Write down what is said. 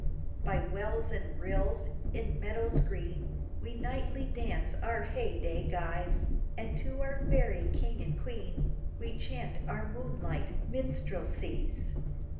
By wells and rills, in meadows green, We nightly dance our hey day guise, And to our Fairy King and Queen We chant our moonlight minstrelsies.